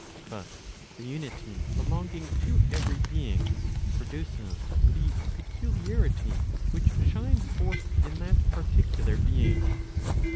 But (he unity belonging to every being produces the peculiarity which shines forth in that particular being.